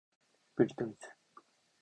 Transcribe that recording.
クリトリス